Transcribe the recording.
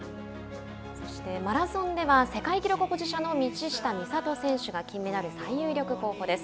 そしてマラソンでは世界記録保持者の道下美里選手が金メダル最有力候補です。